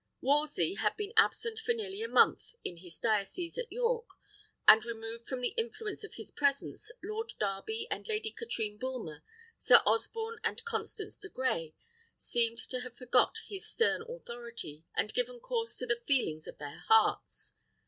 Wolsey had been absent for nearly a month in his diocese at York, and, removed from the influence of his presence, Lord Darby and Lady Katrine Bulmer, Sir Osborne and Constance de Grey, seemed to have forgot his stern authority, and given course to the feelings of their hearts.